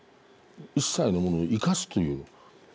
一切のものを生かすという。